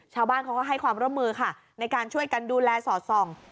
ชาวบ้านเขาก็ให้ความร่วมมือค่ะในการช่วยกันดูแลสอดส่อง